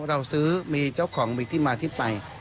เราซื้อมีเจ้าของมีที่มาที่ไป